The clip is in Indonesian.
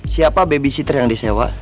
siapa baby sitter yang di sewa